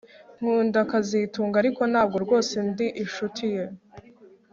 Nkunda kazitunga ariko ntabwo rwose ndi inshuti ye